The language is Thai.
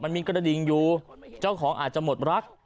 มันมีกระดิ่งอยู่เจ้าของอาจจะหมดรัก